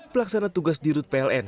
pelaksana tugas dirut pln